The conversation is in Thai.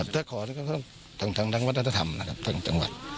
ถ้าขอนี่ก็ต้องทั้งวัฒนธรรมนะครับทางจังหวัด